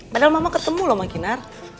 padahal mama ketemu lho sama kinar